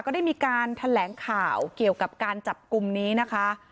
ได้มีการแถลงข่าวเกี่ยวกับการจับกลุ่มนี้นะคะ